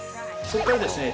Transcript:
そっからですね